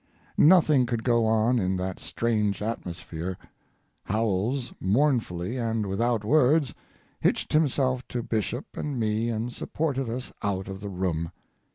Nothing could go on in that strange atmosphere. Howells mournfully, and without words, hitched himself to Bishop and me and supported us out of the room.